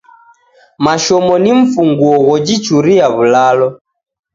Mashomo ni mfunguo ghojichuria w'ulalo.